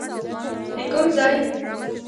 د کوم ځای؟